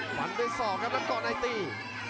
เหวนในสองถังพวกก่อนใต้ตี